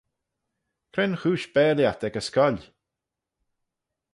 Cre'n chooish bare lhiat ec y scoill?